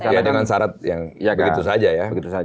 iya dengan syarat yang begitu saja ya